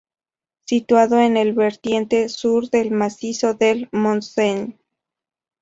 Situado en la vertiente sur del macizo del Montseny.